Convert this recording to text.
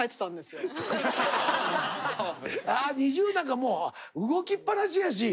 ＮｉｚｉＵなんかもう動きっぱなしやし。